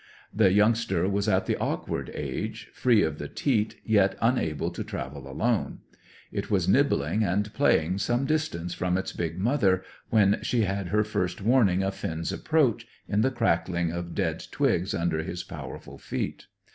The youngster was at the awkward age, free of the teat, yet unable to travel alone. It was nibbling and playing some distance from its big mother when she had her first warning of Finn's approach, in the crackling of dead twigs under his powerful feet.